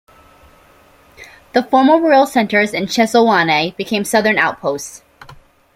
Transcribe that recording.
The former royal centers in Shiselweni became southern outposts.